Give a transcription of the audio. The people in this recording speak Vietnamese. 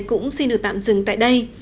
cũng xin được tạm dừng tại đây